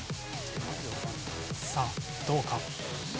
さあどうか？